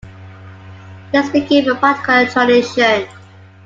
This became a particular tradition.